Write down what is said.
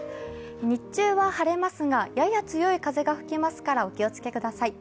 日中は晴れますが、やや強い風が吹きますからお気をつけください。